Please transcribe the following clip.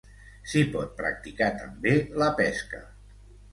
S'hi pot practicar també la pesca.